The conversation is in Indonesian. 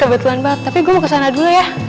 kebetulan mbak tapi gue mau kesana dulu ya